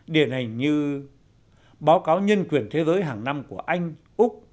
điển hình như báo cáo nhân quyền thế giới hàng năm của anh úc